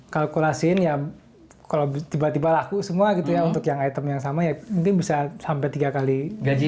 kalkulasiin ya kalau tiba tiba laku semua gitu ya untuk yang item yang sama ya mungkin bisa sampai tiga kali gaji